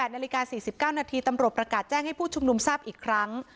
นาฬิกา๔๙นาทีตำรวจประกาศแจ้งให้ผู้ชุมนุมทราบอีกครั้ง